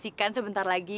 saksikan sebentar lagi